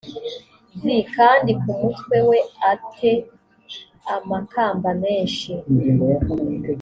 v kandi ku mutwe we a te amakamba menshi